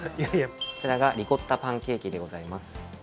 こちらがリコッタパンケーキでございます。